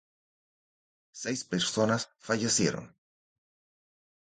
Seis personas fallecieron.